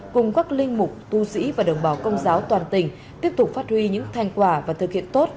cùng các linh mục tu sĩ và đồng bào công giáo toàn tỉnh tiếp tục phát huy những thành quả và thực hiện tốt